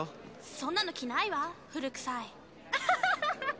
そんなの着ないわ古くさいアハハハ！